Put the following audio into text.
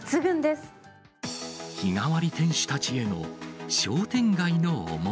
日替わり店主たちへの商店街